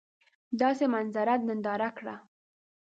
داسي منظره ننداره کړه !